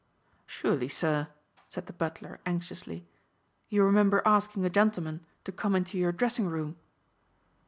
"Surely, sir," said the butler anxiously, "you remember asking a gentleman to come into your dressing room?"